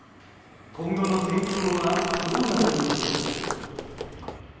今後の戦況はどうなるのでしょうか。